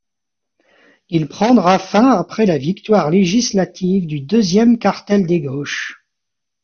Il prendra fin après la victoire législatives du deuxième Cartel des gauches.